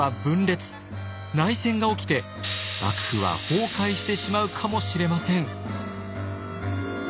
内戦が起きて幕府は崩壊してしまうかもしれません。